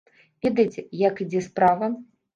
Ведаеце, як ідзе справа?